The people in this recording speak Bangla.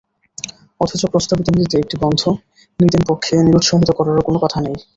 অথচ প্রস্তাবিত নীতিতে এটি বন্ধ, নিদেনপক্ষে নিরুত্সাহিত করারও কোনো কথা নেই।